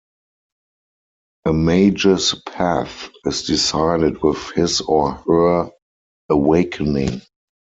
A Mage's Path is decided with his or her awakening.